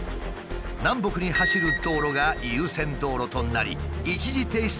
南北に走る道路が優先道路となり一時停止